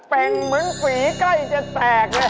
เป็นเหมือนฝีใกล้จะแตก